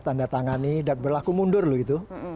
tanda tangani dan berlaku mundur loh gitu